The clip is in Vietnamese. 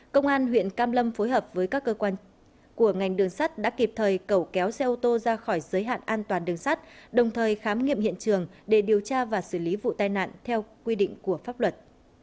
công an huyện cam lâm phối hợp với các cơ quan của ngành đường sắt đã kịp thời cầu kéo xe ô tô ra khỏi giới hạn an toàn đường sắt đồng thời khám nghiệm hiện trường để điều tra và xử lý vụ tai nạn theo quy định của pháp luật